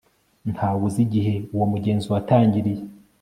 Ntawe uzi igihe uwo mugenzo watangiriye